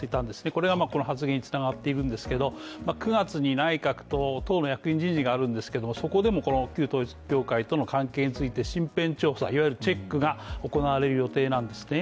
それがこの発言につながっているんですけど９月に内閣と党の役員人事があるんですけれどもそこでも旧統一教会との関係について身辺調査、いわゆるチェックが行われる予定なんですね。